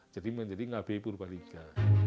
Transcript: jadi menjadi ngabei purbalingga